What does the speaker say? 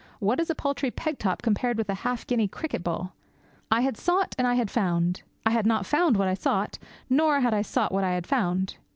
What is a paltry peg top compared with a half guinea cricket ball? I had sought, and I had found. I had not found what I had sought, nor had I sought what I had found.